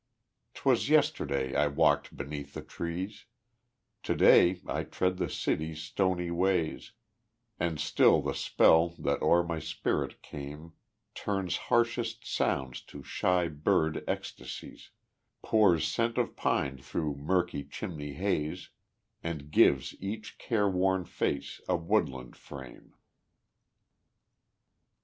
'Twas yesterday I walked beneath the trees, To day I tread the city's stony ways; And still the spell that o'er my spirit came Turns harshest sounds to shy bird ecstasies, Pours scent of pine through murky chimney haze, And gives each careworn face a woodland frame.